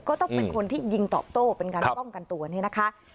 ก็ต้องเป็นคนที่ยิงตอบโต้เป็นการป้องกันตัวนี่นะคะ